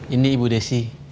ini ibu desi